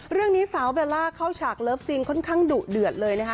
เรื่องนี้สาวเบลล่าเข้าฉากเลิฟซีนค่อนข้างดุเดือดเลยนะคะ